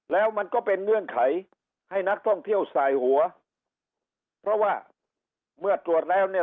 แล้วมันก็เป็นเงื่อนไขให้นักท่องเที่ยวสายหัวเพราะว่าเมื่อตรวจแล้วเนี่ย